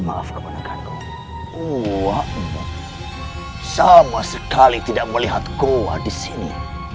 maaf kebenarkanku gua mu sama sekali tidak melihat goa disini